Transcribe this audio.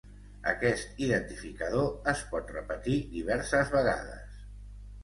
Aquest identificador es pot repetir diverses vegades.